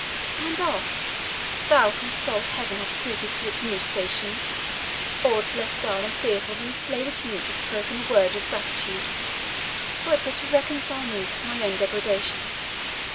"Stand off! thou whose soul Heaven hath suited to its new station! Aught less dull and fearful than a slavish mute had spoken a word of gratitude, were it but to reconcile me to my own degradation.